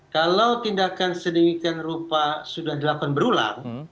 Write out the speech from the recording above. kalau tindakan sedemikian rupa sudah dilakukan berulang